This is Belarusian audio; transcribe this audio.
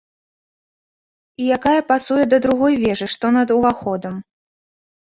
І якая пасуе да другой вежы, што над уваходам.